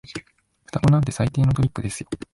双子なんて最低のトリックですよ。